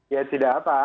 ya tidak apa